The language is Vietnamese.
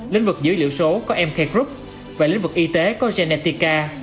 lĩnh vực dữ liệu số có mk group và lĩnh vực y tế có geneica